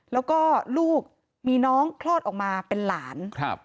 แล้วก็ลูกมีน้องคลอดออกมาเป็นหลานครับ